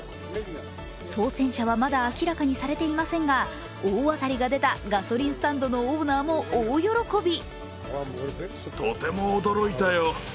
当せん者はまだ明らかにされていませんが大当たりが出たガソリンスタンドのオーナーも大喜び。